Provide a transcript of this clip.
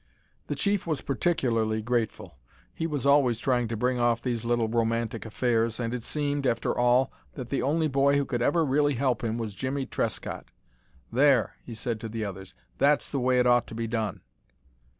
The chief was particularly grateful. He was always trying to bring off these little romantic affairs, and it seemed, after all, that the only boy who could ever really help him was Jimmie Trescott. "There," he said to the others, "that's the way it ought to be done."